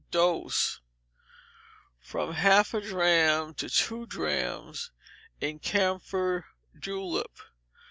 Dose, from half a drachm to two drachms, in camphor julep.